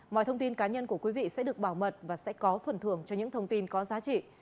mọi thông tin cá nhân của quý vị sẽ được bảo mật và sẽ có phần thưởng cho những thông tin có giá trị